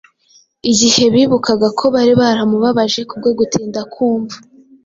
Igihe bibukaga uko bari baramubabaje kubwo gutinda kumva